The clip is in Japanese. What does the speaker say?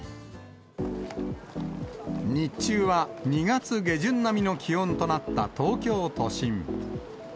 日中は２月下旬並みの気温となった東京都心。